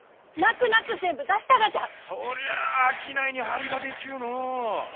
そりゃあ商いに張りが出ちゅうのう。